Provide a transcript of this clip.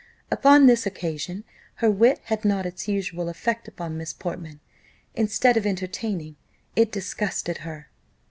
Upon this occasion, her wit had not its usual effect upon Miss Portman; instead of entertaining, it disgusted her.